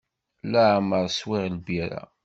Leɛmer swiɣ lbirra.